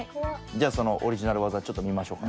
じゃあそのオリジナル技ちょっと見ましょうか。